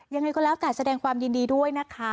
ยังไงก็แล้วแต่แสดงความยินดีด้วยนะคะ